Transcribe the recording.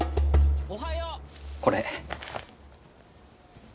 これ。